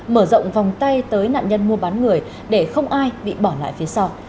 mở rộng vòng tay tới nạn nhân mua bán người để không ai bị bỏ lại phía sau